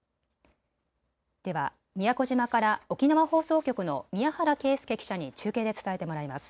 では宮古島から沖縄放送局の宮原啓輔記者に中継で伝えてもらいます。